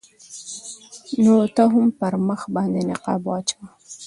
نو ته هم پر مخ باندې نقاب واچوه.